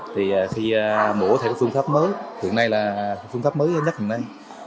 thì khi mổ thì có phương pháp mới hiện nay là phương pháp mới nhất hôm nay